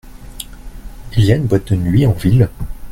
Il y a une boîte de nuit en ville ?